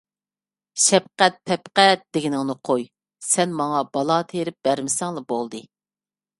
شەپقەت - پەپقەت دېگىنىڭنى قوي، سەن ماڭا بالا تېرىپ بەرمىسەڭلا بولدى.